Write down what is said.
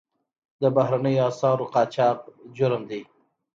د بهرنیو اسعارو قاچاق جرم دی